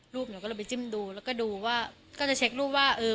หนูก็เลยไปจิ้มดูแล้วก็ดูว่าก็จะเช็ครูปว่าเออ